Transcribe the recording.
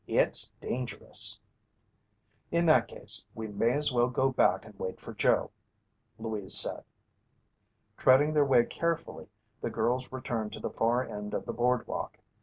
It's dangerous!" "In that case we may as well go back and wait for Joe," Louise said. Treading their way carefully, the girls returned to the far end of the boardwalk.